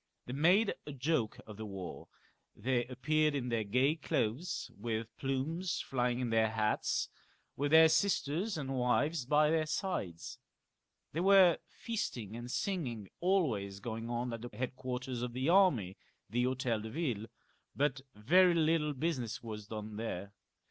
They made a joke of the war; they appeared in their gay clothes with plumes flying in their hats, with their sisters and wives by their sides. There were feasting and singing always going on at the headquarters of the army, the Hotel de Yille, but very little business was done there.